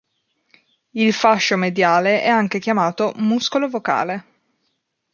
Il fascio mediale è anche chiamato "muscolo vocale".